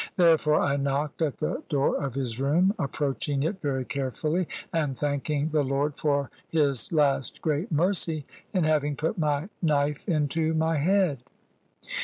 Therefore I knocked at the door of his room, approaching it very carefully, and thanking the Lord for His last great mercy in having put my knife into my head.